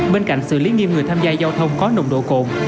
bên cạnh xử lý nghiêm người tham gia giao thông có nồng độ cồn